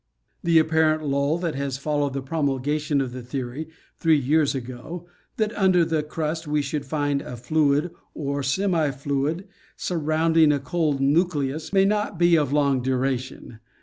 The apparent lull that has followed the promulgation of the theory, three years ago, that under the crust we should find a fluid, or semi fluid, surrounding a solid nucleus, may not be of long duration.